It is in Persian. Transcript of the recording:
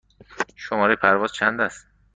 شماره پرواز چند است؟